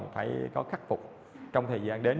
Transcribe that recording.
phải có khắc phục trong thời gian đến